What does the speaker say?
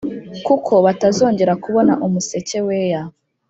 kuko batazongera kubona umuseke weya!